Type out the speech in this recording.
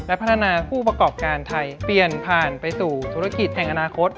และพัฒนาผู้ประกอบการไทยเปลี่ยนผ่านไปสู่ธุรกิจแห่งอนาคต